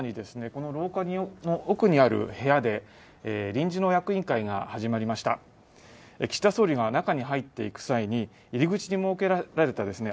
この廊下の奥にある部屋で臨時の役員会が始まりました岸田総理が中に入っていく際に入り口に設けられたですね